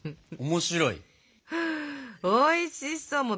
おいしそう！